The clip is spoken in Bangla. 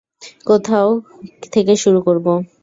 কোথায় থেকে শুরু করব?